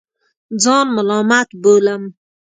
ځان ملامت بولم.